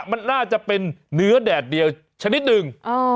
มันน่าจะเป็นเนื้อแดดเดียวชนิดหนึ่ง